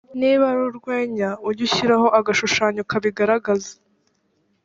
niba ari urwenya ujye ushyiraho agashusho kabigaragaza